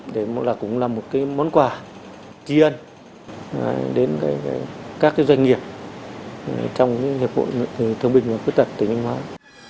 đấy cũng là một món quà kỳ ân đến các doanh nghiệp trong hiệp hội thương bình và người kết thuật tỉnh hóa